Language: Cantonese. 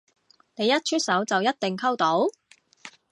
你一出手就一定溝到？